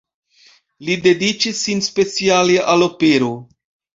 Li dediĉis sin speciale al opero.